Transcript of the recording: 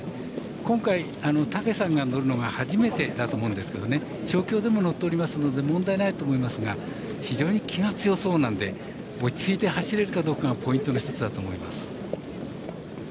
今回、武さんが乗るのは初めてだと思うんですけど調教でも乗っているので大丈夫だと思いますが非常に気が強そうなので落ち着いて走れるかどうかがポイントの一つだと思います。